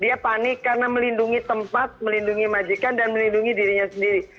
dia panik karena melindungi tempat melindungi majikan dan melindungi dirinya sendiri